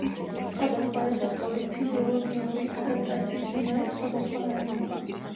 სხვადასხვა რეცეპტორის ფიზიოლოგიური ადაპტაციის უნარი სხვადასხვანაირია.